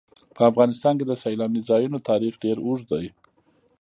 په افغانستان کې د سیلاني ځایونو تاریخ ډېر اوږد دی.